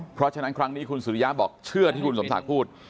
เพราะฉะนั้นครั้งนี้คุณสุริยะบอกเชื่อที่คุณสมศักดิ์พูด